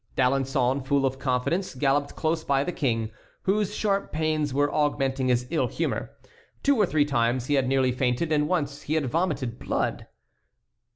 D'Alençon, full of confidence, galloped close by the King, whose sharp pains were augmenting his ill humor. Two or three times he had nearly fainted and once he had vomited blood.